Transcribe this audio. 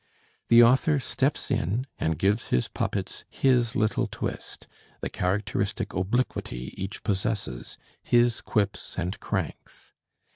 The author steps in and gives his puppets his little twist, the characteristic obliquity each possesses, his quips and cranks.